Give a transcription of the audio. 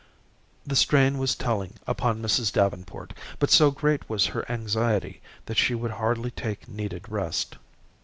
The strain was telling upon Mrs. Davenport, but so great was her anxiety that she would hardly take needed rest.